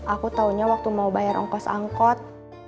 aku taunya waktu mau bayar ongkos angkot